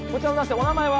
お名前は？